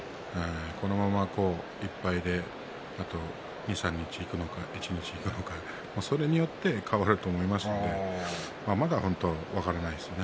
このまま１敗であと２、３日いくのか一日いくのか、それによって変わると思いますのでまだ分からないですね